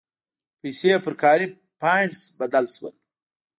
پیسې پر کاري پاینټس بدل شول.